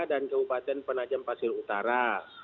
dan kabupaten penajam pasir utara